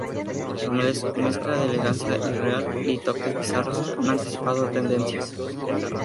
Su mezcla de elegancia irreal y toques bizarros ha anticipado tendencias.